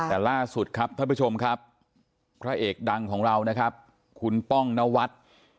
แต่ล่าสุดครับท่านผู้ชมครับพระเอกดังของเรานะครับคุณป้องนวัฒน์